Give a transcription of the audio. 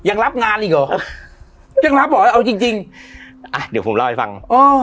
ยังรับงานอีกหรอยังรับเหรอเอาจริงจริงอ่ะเดี๋ยวผมเล่าให้ฟังอ๋อ